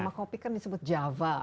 sama kopi kan disebut java